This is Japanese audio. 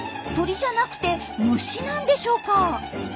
鳥じゃなくて虫なんでしょうか？